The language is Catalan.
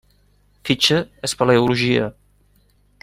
Fitxa espeleologia.